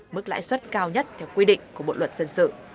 mức lãi suất cao nhất theo quy định của bộ luật dân sự